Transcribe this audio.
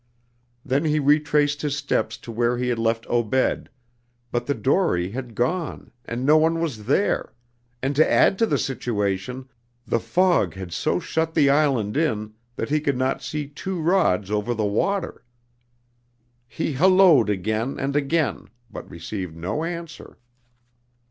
Then he retraced his steps to where he had left Obed, but the dory had gone and no one was there, and to add to the situation, the fog had so shut the island in that he could not see two rods over the water. He hallooed again and again, but received no answer.